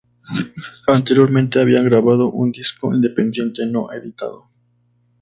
Anteriormente habían grabado un disco independiente no editado.